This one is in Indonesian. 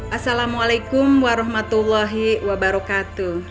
assalamualaikum warahmatullahi wabarakatuh